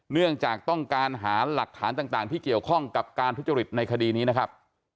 เนื่องจากต้องการหาหลักฐานต่างที่เกี่ยวข้องกับการทุจริตในคดีนี้นะครับ